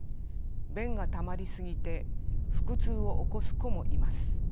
便がたまり過ぎて腹痛を起こす子もいます。